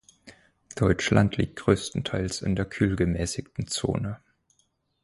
Deutschland liegt größtenteils in der kühlgemäßigten Zone.